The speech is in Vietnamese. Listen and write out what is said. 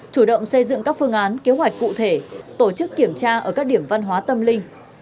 chủ động xây dựng các phương án kế hoạch cụ thể tổ chức kiểm tra ở các điểm văn hóa tâm linh